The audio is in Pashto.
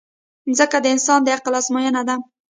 مځکه د انسان د عقل ازموینه ده.